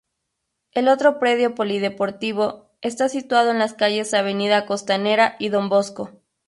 El otro predio polideportivo, está situado en las calles Avenida Costanera y Don Bosco.